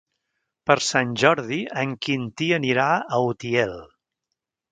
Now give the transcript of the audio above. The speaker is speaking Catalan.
Per Sant Jordi en Quintí anirà a Utiel.